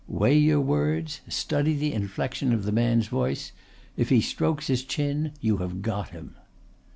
Weigh your words; study the inflection of the man's voice. If he strokes his chin you have got him."